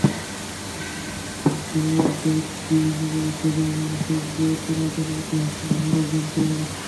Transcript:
এখন Demodex DNA পরীক্ষা করে মানুষের বিবর্তনের অজানা ইতিহাসও আমরা জানতে যাচ্ছি।